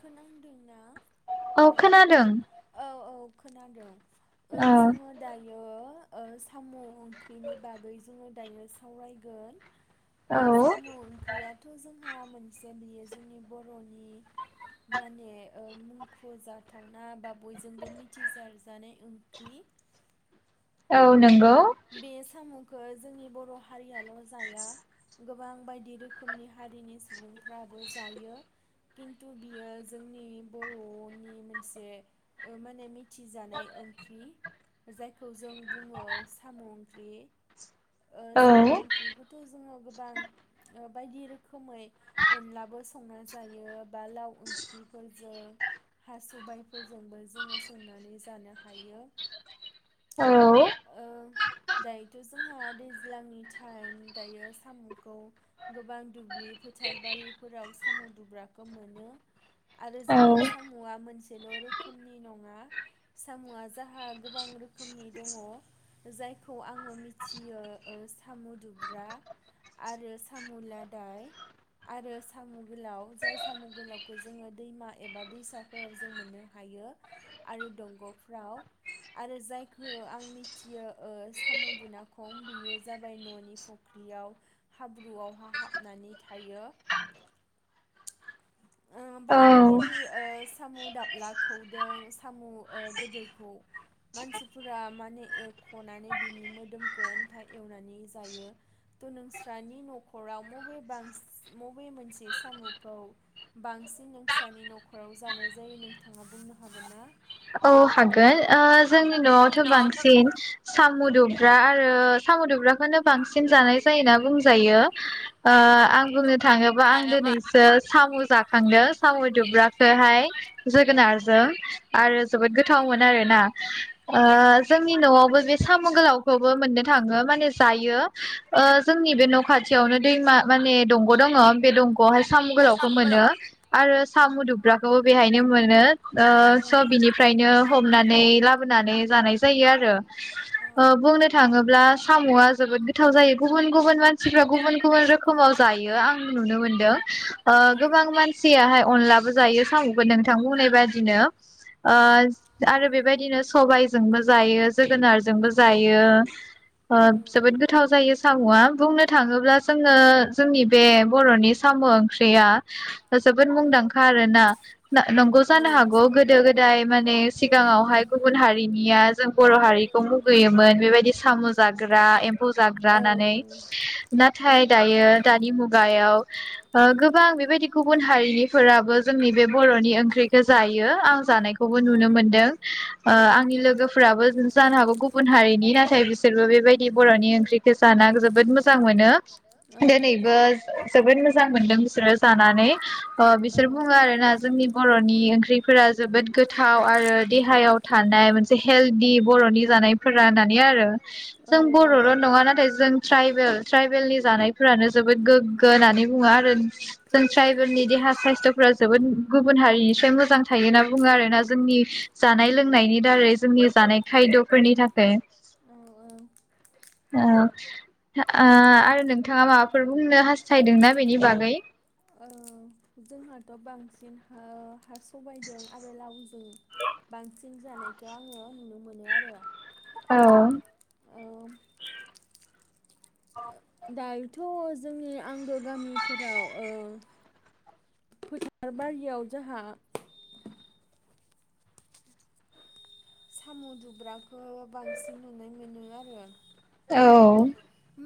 खोनांदोंना hello औ औ। खोनादों। ओ जोङो दायो। दायो ओ साम ओंख्रिनि बागै जोङो दायो सावरायगोन। ओ साम ओंख्रियाथ जों मोनसे बियो जोंनि बर'नि मानि माने मुखजाथावना बा बयजोंबो मिथिसार जानाय ओंख्रि। औ नों [inaudible] बे सामखौ। जोंनि बर हारिया। हारियाल जाया। गोबां बायदि रोखोमनि हारिनि सुबुंफ्राबो जायो खिन्थु बियो जोंनि बरनि मोनसे माने मिथिजानाय ओंख्रि जायखौ जों बुङो। साम ओंख्रि। साम ओंख्रिखौथ जोङो। गोबां बायदि रोखोमै अनलाबो संना जायो बा लाव ओंख्रिफोरजों हा सबाइफोरजोंबो जोङो संनानै जानो हायो। ओं। दायोथ जोंहा दैज्लांनि टाइम दायो सामखौ गोबां दुब्लि फोथारबारिफोराव साम दुब्राखौ मोनो आरो जोंहा सामआ मोनसेल रोखोमनि नङा सामआ जोंहा गोबां रोखोमनि दङ। जायखौ आङो मिथियो साम दुब्रा आरो साम लादाय आरो साम गोलाव जाय साम गोलावखौ जोङो दैमा एबा दैसाफोराव जों मोननो हायो आरो दंगफ्राव आरो जायखौ आं। ओमफ्रायो साम दुनाखं बेयो जाबाय ननि फुख्रियाव हाब्रुआवहा हाबनानै थायो। बायदि बायदि साम ओ दाबलाखौदों साम गोदोरखौ मानसिफोरा माने एरखनानै बिनि मोदोमखौ आन्था एवनानै जायो थ नोंस्रानि नखराव मबे बांसिन मबे मोनसे सामखौ। बांसिन नोंसानि नखराव जानाय जायो नोंथाङा बुंनो हागोन ना। औ हागोन जोंनि नआवथ बांसिन। साम दुब्रा आरो साम दुब्राखौनो बांसिन जानाय जायोना बुंजायो आं बुंनो थाङोबा आं दिनैसो सामुनि। जाखांदों साम दुब्राखौहाय। जोगोनारजों आरो। जोबोद गोथावमोन आरोना ओ जोंनि नआवबो बे साम गोलावखौबो मोननो थाङो माने जायो। जोंनि बे नखाथियावनो दैमा माने दंग दङ बे दंग आवहाय साम गोलावखौ मोनो आरो साम दुब्राखौबो बेहायनो ओ मोनो स बिनि। बिनिफ्रायनो हमनानै लाबोनानै जानाय जायो आरो बुंनो थाङोब्ला सामआ जोबोद गोथाव जायो। गुबुन गुबुन मानसिफ्रा गुबुन गुबुन रोखोमाव जायो आं नुनो मोनदों गोबां मानसियाहाय अनलाबो जायो सामबो नोंथां बुंनाय बादिनो। आरो बेबायदिनो सबायजोंबो जायो जोगोनारजोंबो जायो जोबोद गोथाव जायो। सामआ बुंनो थाङोब्ला जोङो जोंनि बे बरनि साम ओंख्रिया जोबोद मुंदांखा आरोना नंगौ जानो हागौ गोदो गोदायनिफ्रायनो। दायो माने सिगाङावहाय गुबुन हारिनिया जों बर हारिखौ मुगैयोमोन बेबायदि साम जाग्रा एम्फौ जाग्रा। रानानै नाथाय दायो दानि मुगायाव गोबां बेबायदि गुबुन हारिनिफोराबो जोंनि बे बरनि ओंख्रिखौ जायो आं। जानायखौबो नुनो मोनदों। ओ आंनि लोगोफोराबो जानो हागौ गुबुन हारिनि नाथाय बिसोरबो बेबायदि बरनि ओंख्रिखौ जा जाना जोबोद मोजां मोनो। दिनैबो जो-जोबोद मोजां मोनदों बिसोरो जानानै। ओ बिसोर बुङो आरोना जोंनि बरनि ओंख्रिफोरा जोबोद गोथाव आरो देहायाव थानाय मोनसे हेलदि बरनि जानायफोरा होननानै आरो। जों बरल नङा नाथाय जों ट्राइबेल ट्राइबेलनि जानायफोरानो जोबोद गोग्गो होननानै बुङो आरो जों ट्राइबेलनि देहा साइस्थफोरा जोबोद गुबुन हारिनिस्राय मोजां थायो होनना बुङो आरोना जोंनि जानाय लोंनायनि दारै जोंनि जानाय खायदफोरनि थाखै ओ ओ आरो नोंथाङा माबाफोर बुंनो हास औ जोंहाथ बांसिन हो हास सबायदों आरो लावजों बांसिन सिन जानायखो आङो नुनो मोनो आरो। औम। दायोथ' जोंनि आंगो गामिफोराव ओ फोथार बारियाव जाहा साम दुब्राखो बांसिन नुनाय मोनो आरो औ।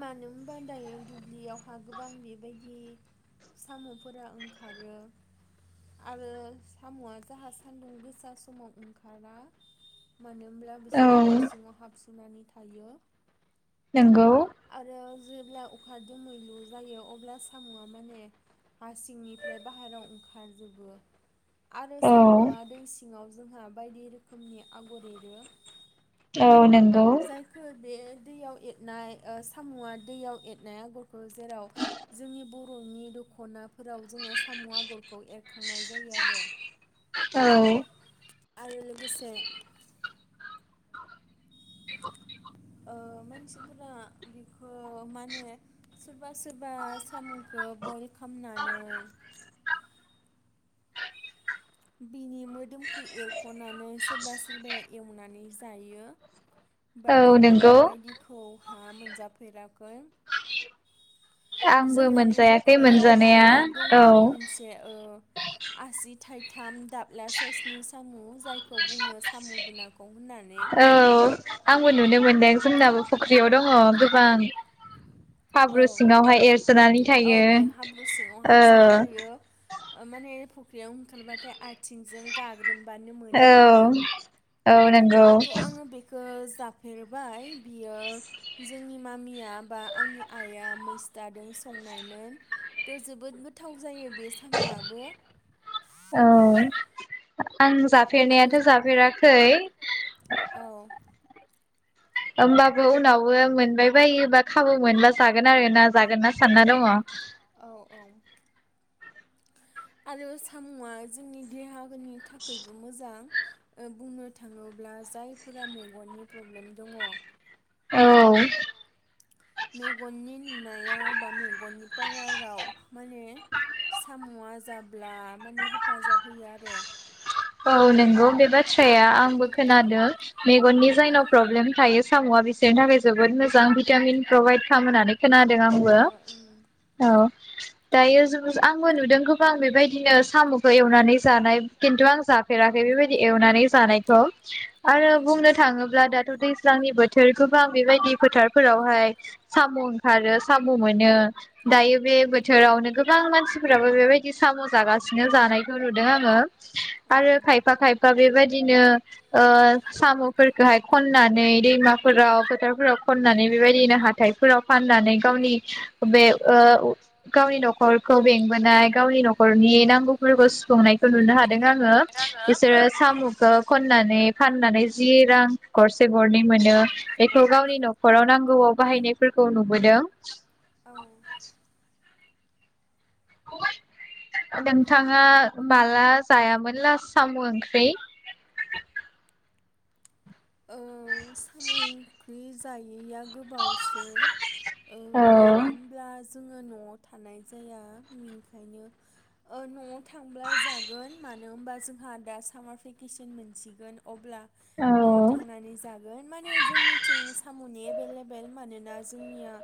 मानो होमबा दायो दुब्लियावहा गोबां बेबायदि साम'फोरा ओंखारो आरो साम'आ जाहा सान्दुं गोसा समाव ओंखारा मानो होमब्ला बिसोरो हासिङाव हाबसु नानै थायो। नोंगौ। जेब्ला अखा दोमैलु जायो अब्ला सामुआ माने हा सिंनिफ्राय बाहेरायाव ओंखारजोबो। आरो सामुआ दै सिङाव जोंहा बायदि रोखोमनि आगर एरो। औ नोंगौ। दैयाव एदनाय सामुआ दैयाव एदनाय आगरखौ जेराव जोंनि बर'नि द'खना फोराव जोङो सामु आगरखौ एरखांनाय जायो आरो आरो लोगोसे ओ मानसिफोरा बेखो माने सोरबा सोरबा सामुखौ बइल खामनानै बिनि मोदोमखो एरखनानै सोरबा सोरबाया एवनानै जायो। बाद आं बिफोरबायदिखौ हा मोनजाफेराखै। जोंहानि फख्रियावहा दङ' मोनसे ओ आसि थाइ थाम दाबला साइसनि सामु जायखौ बुङो सामु दुना औ आंबो नुनो मोनदों। जोंनाबो फुख्रियाव दङ' गोबां औ औ बेयो हाब्रु सिङाव हाबसोना थायो ओ माने फुख्रियाव ओखारबाथाय आथिंजों गा फोरुमबानो मोनो आरो थ आङो बेखौ जाफेरबाय बियो जोंनि मामिया बा आंनि आइआ मैसथादों संनायमोन थ जोबोद गोथाव जायो बे सामआबो औ। आं जाफेरनायाथ जाफेराखै होमबाबो उनावबो मोनबाय बायोबा खाबु मोनब्ला जागोन आरोना जागोन नना सानना दङ। आरो सामुआ जोंनि देहा फोरनि थाखायबो मोजां। बुंनो थाङोब्ला जायफोरा मेगननि प्रब्लेम दङ औ। मेगननि नुनायाव बा मेगननि पावाराव माने सामआ जाब्ला माने हेफाजाब होयो आरो। औ नंगौ बे बाथ्राया आंबो खोनादों मेगननि जायनाव प्रब्लेम थायो सामआ बिसोरनि थाखाय जोबोद मोजां भिटामिन प्रभाइद खालामनानै खोनादों आंबो औ। दायो ज आंबो नुदों गोबां बेबायदिनो सामखौ एवनानै जानाय खिन्थु आं जाफेराखै बेबायदि एवनानै जानायखौ। आरो बुंनो थाङोब्ला दाथ दैज्लांनि बोथोर गोबां बेबायदि फोथारफोरावहाय साम' ओंखारो साम' मोनो दायो बे बोथोरावनो गोबां मानसिफोराबो बेबायदि साम' जागासिनो जानायखौ नुदों आङो आरो खायफा खायफा बेबायदिनो ओ सामफोरखौहाय खननानै दैमाफोराव फोथारफोराव खननानै बेबायदिनो हाथायफोराव फाननानै गावनि। बे गावनि नखरखौ बेंबोनाय गावनि नखरनि नांगौफोरखौ सुफुंनायखौ नुनो हादों आङो। बिसोरो सामखौ खननानै फाननानै जि रां गरसे गरनै मोनो बेखौ गावनि नखराव नांगौआव बाहायनायफोरखौ नुबोदों औ। नोंथाङा माला जायामोन ला साम ओंख्रि। ओ साम ओंख्रि जायैया गोबावसै ओ मानो होनोमब्ला जोङो नआव थानाय जाया बेनिखायनो नआव थांब्ला जागोन मानो होनबा जोंहा दा सामार भेकेसन मोनसिगोन अब्ला ओ। न'आव थांनानै जागोन माने जोंनिथिं सामनि एभेलेबेल मानोना जोंनिया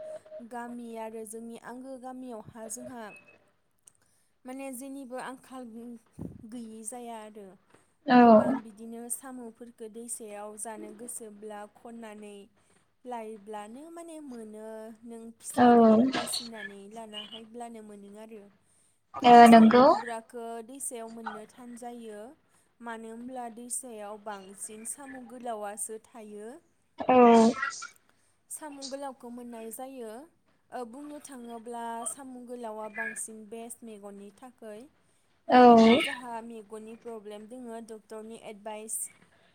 गामि आरो जोंनि आंगो गामियावहा जोंहा माने जेनिबो आंखाल गैयि जाया आरो गोबां बिदिनो साम'फोरफोरखौ दै सायाव जानो गोसोब्ला खननानै लायोब्लानो माने मोनो। नों फिसा गिदिर बासिनानै लाना बाहायब्लानो मोनो आरो खिन्थु साम दुब्राखो दैसायाव मोननो थान जायो मानो होनोब्ला दैसायाव बांसिन साम'गोलावासो थायो। औ। साम ' गोलावखौ मोननाय जायो ओ बुंनो थाङोब्ला साम' गोलावा बांसिन बेस्ट मेगननि थाखाय। मानोना जाहा मेगननि प्रब्लेम दोंङो डक्टरनि एडभाइस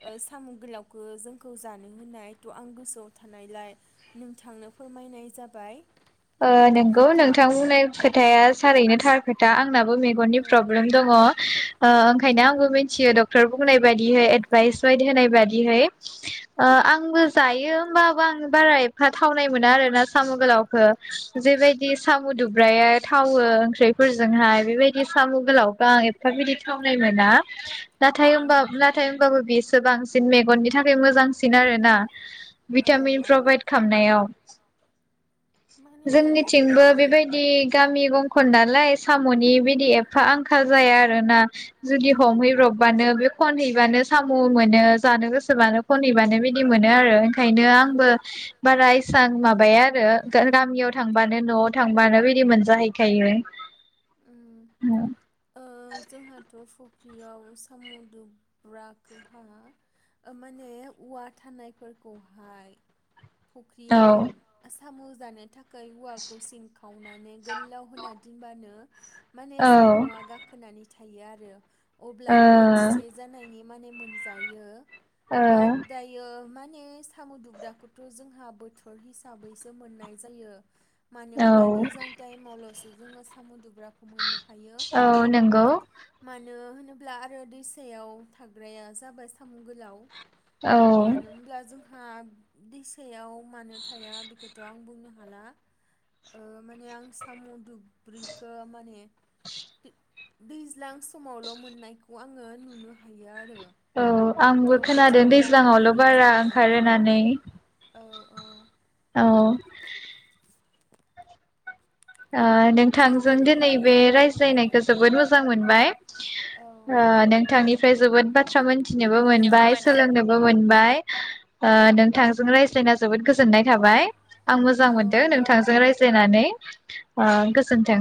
ओ साम ' गोलावखौ जोंखौ जानो होनाय थ' आं गोसोआव थानायलाय नोंथांनो फोरमायनाय जाबाय। ओ नंगौ नोंथां बुंनाय खोथाया थारैनो थार खोथा आं आंनाबो मेगननि प्रब्लेम दंङ ओ ओंखायनो आङो मिथियो डक्टर बुंनाय बादिहै एदभाइस होनाय बादिहै। आंबो जायो होमबाबो आं बारा एफा थावनाय मोना आरोना सामगोलाव फो जेबायदि साम दुब्राया थावो ओंख्रिफोरजोंहाय बेबायदि साम गोलावखौ आं एफा बिदि थावनाय मोना। नाथाय होनबा होनबाबो बेसो बांसिन मेगननि थाखाय मोजांसिन आरो ना भिटामिन प्रभाइद खामनायाव। जोंनिथिंबो बेबायदि गामि गंखन नालाय साम'नि बिदि एफा आंखाल जाया आरोना जुदि हमहैब्रबबा खनहैबानो साम मोनो जानो गोसोबानो खनहैबानो बिदि मोनो आरो ओंखायनो आंबो बारा इसां माबाया आरो। गामियाव थांबानो नआव थांबानो बिदि मोनजाहैखायो। फुक्रियाव साम' दुब्राखोहा माने औवा थानायफोरखौहाय फुख्रियाव सामु जानो थाखाय औवाखौ सिन खावनानै गोलाव होना होनबानो माने सामआ गाखोनानै थायो आरो। अब्लानो बोथिसे जानायनि माने मोनजायो। बाट दायो माने साम' दुब्राखौथ' जोंहा बोथोर हिसाबैसो मोननाय जायो। मानो होमब्ला दैजां टाइमावल'सो जोंङो साम'दु ब्राखौ मोननो हायो मानो ब्ला रो दैसायाव थाग्राया जाबाय साम' गोलाव मानो होमब्ला जों हा दैसायाव मानो थाया बेखौथ' आं बुंनो हाला ओ माने आं साम' दुब्रिखो माने दै-दैज्लां समावल' मोननाय खौ आङो नुनो हायो आरो। औ आंबो खोनादों दैज्लाङावल' बारा ओंखारो होननानै। औ औ। अ। ओ नोंथांजों दिनै बे रायज्लायनायखौ जोबोद मोजां मोनबाय ओ नोंथांनिफ्राय जोबोद बाथ्रा मोनथिनोबो मोनबाय, सोलोंनोबो मोनबाय ओ नोंथांजों रायज्लायना जोबोद गोजोननाय थाबाय आं मोजां मोनदों नोंथांजों रायज्लायनानै ओ गोजोन्थों।